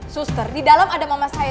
suster di dalam ada mama saya